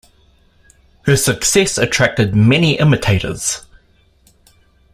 Her success attracted many imitators.